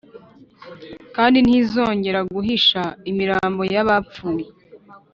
kandi ntizongera guhisha imirambo y’abapfuye.